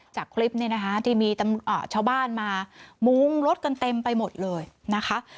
จากคลิปนี้นะคะที่มีชาวบ้านมามุงรถกันเต็มไปหมดเลยนะคะ